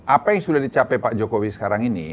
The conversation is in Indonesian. apa yang sudah dicapai pak jokowi sekarang ini